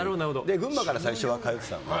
群馬から最初は通ってたのね。